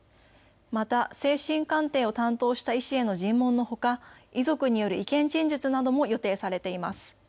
また精神鑑定を担当した医師への尋問のほか、遺族による意見陳述なども予定されています。